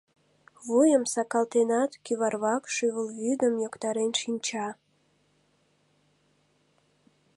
Вуйым сакалтенат, кӱварвак шӱвылвӱдым йоктарен шинча.